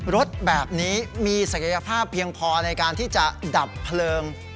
รถแบบนี้มีศักยภาพเพียงพอในการที่จะดับเพลิง